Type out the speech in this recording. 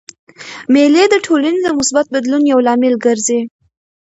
مېلې د ټولني د مثبت بدلون یو لامل ګرځي.